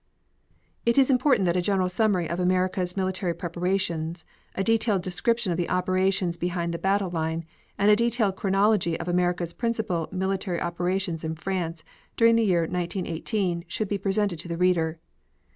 It is important that a general summary of America's military preparations, a detailed description of the operations behind the battle line and a detailed chronology of America's principal military operations in France during the year 1918 should be presented to the reader.